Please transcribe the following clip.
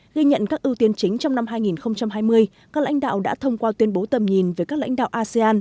ghi nhận các ưu tiên chính trong năm hai nghìn hai mươi các lãnh đạo đã thông qua tuyên bố tầm nhìn về các lãnh đạo asean